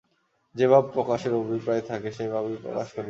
যে-ভাব প্রকাশের অভিপ্রায় থাকে, সেই ভাবই প্রকাশ করিবে।